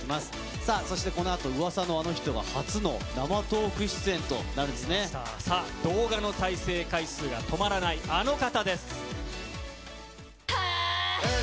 さあ、そしてこのあと、うわさのあの人が初の生トーク出演となるさあ、動画の再生回数が止まらない、あの方です。